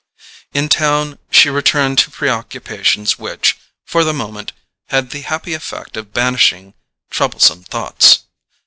In town she returned to preoccupations which, for the moment, had the happy effect of banishing troublesome thoughts.